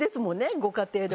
ご家庭では。